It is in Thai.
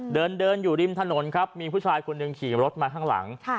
เดินเดินอยู่ริมถนนครับมีผู้ชายคนหนึ่งขี่รถมาข้างหลัง